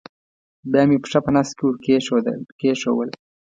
بیا مې پښه په نس کې ور کېښوول.